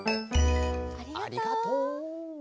ありがとう。